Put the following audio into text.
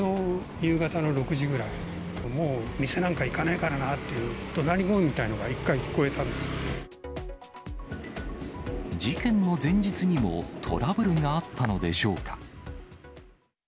夕方の６時くらい、もう店なんか行かねえからなという、どなり声みたいなのが一回聞事件の前日にも、トラブルがあったのでしょうか。